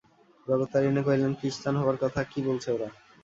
জগত্তারিণী কহিলেন, ক্রিশ্চান হবার কথা কী বলছে ওরা?